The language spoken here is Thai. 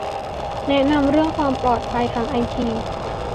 แนะนำเรื่องความปลอดภัยทางไอที